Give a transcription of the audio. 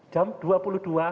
jam dua puluh dua